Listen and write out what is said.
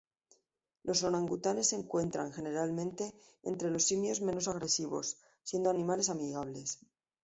Los orangutanes se encuentran, generalmente, entre los simios menos agresivos, siendo animales amigables.